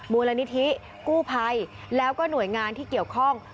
มูลนิธิกู้ภัยแล้วก็หน่วยงานที่เกี่ยวข้อง